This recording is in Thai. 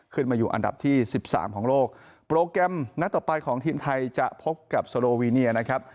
ขึ้นมาอยู่อันดับที่สิบสามของโลกโปรแกรมนัดต่อไปของทีมไทยจะพบกับโซโลวีเนียนะครับ